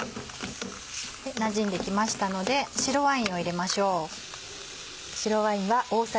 なじんできましたので白ワインを入れましょう。